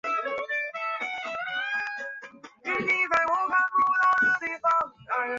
互联网让世界变成了“鸡犬之声相闻”的地球村，相隔万里的人们不再“老死不相往来”。